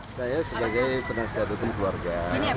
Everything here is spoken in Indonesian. saya sebagai penasihat hukum keluarga